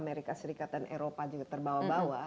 amerika serikat dan eropa juga terbawa bawa